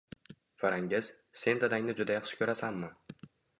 Farangiz, sen dadangni juda yaxshi ko`rasanmi